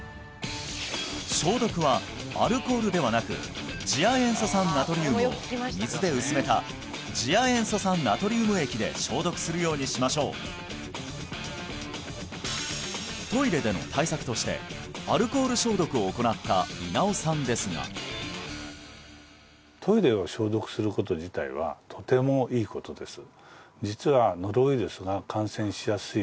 消毒はアルコールではなく次亜塩素酸ナトリウムを水で薄めた次亜塩素酸ナトリウム液で消毒するようにしましょうトイレでの対策としてアルコール消毒を行った稲尾さんですがトイレを消毒すること自体はとてもいいことです